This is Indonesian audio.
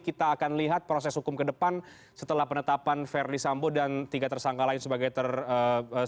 kita akan lihat proses hukum ke depan setelah penetapan verdi sambo dan tiga tersangka lain sebagai tersangka